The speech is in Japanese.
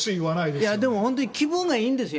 いや、でも本当に気分がいいんですよ。